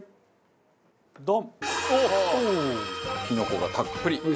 きのこがたっぷり。